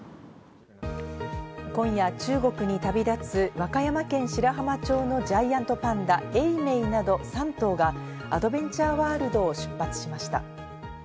今夜、中国に旅立つ和歌山県白浜町のジャイアントパンダ、永明など３頭がアドベンチャーワールドを出発しました。